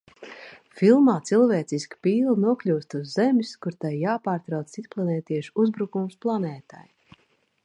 Filmā cilvēciska pīle nokļūst uz Zemes, kur tai jāpārtrauc citplanētiešu uzbrukums planētai.